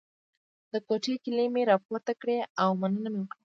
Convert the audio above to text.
د کوټې کیلي مې راپورته کړه او مننه مې وکړه.